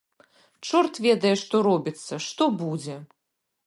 Чорт ведае што робіцца, што будзе.